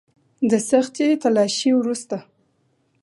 د سختې تلاشۍ وروسته.